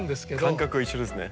感覚は一緒ですね。